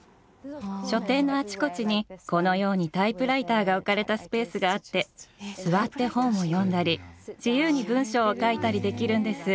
書店のあちこちにこのようにタイプライターが置かれたスペースがあって座って本を読んだり自由に文章を書いたりできるんです。